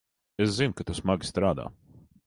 Es zinu, ka tu smagi strādā.